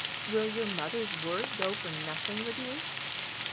"Will your mother's word go for nothing with you?"